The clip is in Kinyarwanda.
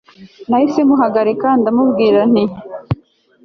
nahise muhagarika ndamubwira nti